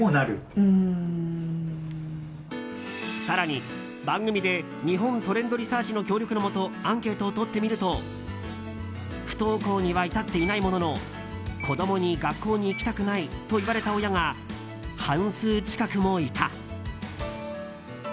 更に、番組で日本トレンドリサーチの協力のもとアンケートをとってみると不登校には至っていないものの子供に学校に行きたくないと言われた親が半数近くもいた。